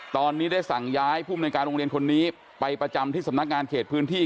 ตอนนี้ได้สั่งย้ายภูมิในการโรงเรียนคนนี้ไปประจำที่สำนักงานเขตพื้นที่